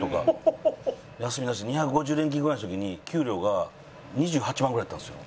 休みなしで２５０連勤ぐらいした時に給料が２８万ぐらいやったんですよ。